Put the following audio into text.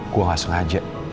gue gak sengaja